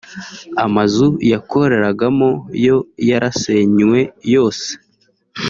amazu yakoreragamo yo yarayasenywe yose